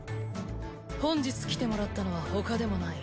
本日来てもらったのは他でもない。